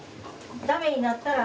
「ダメになったら」。